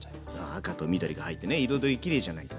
赤と緑が入ってね彩りきれいじゃないか。